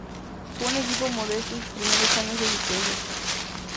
Fue un equipo modesto en sus primeros años de existencia.